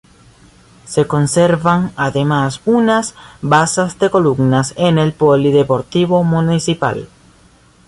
Se conservan además unas basas de columnas en el Polideportivo Municipal.